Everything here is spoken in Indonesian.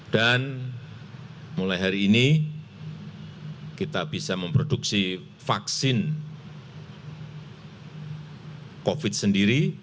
dan mulai hari ini kita bisa memproduksi vaksin covid sembilan belas sendiri